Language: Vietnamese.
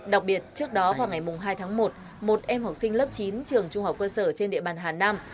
đặc biệt trước đó vào ngày hai tháng một một em học sinh lớp chín trường trung học cơ sở trên địa bàn hà nam